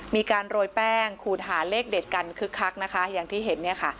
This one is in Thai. มีการโรยแป้งขูดหาเลขเด็ดกันคึกคักนะคะอย่างที่เห็นเนี่ยค่ะ